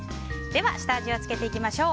下味をつけていきましょう。